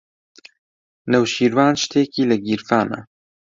نەوشیروان شتێکی لە گیرفانە.